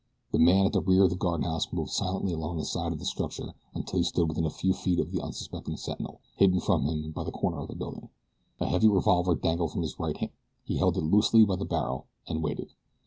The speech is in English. The man at the rear of the guardhouse moved silently along the side of the structure until he stood within a few feet of the unsuspecting sentinel, hidden from him by the corner of the building. A heavy revolver dangled from his right hand. He held it loosely by the barrel, and waited.